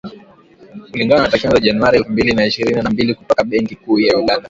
Kulingana na takwimu za Januari elfu mbili na ishirini na mbili kutoka Benki Kuu ya Uganda